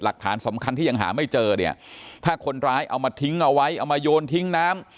หลักฐานสำคัญที่ยังหาไม่เจอเนี่ยถ้าคนร้ายเอามาทิ้งเอาไว้เอามาโยนทิ้งน้ำ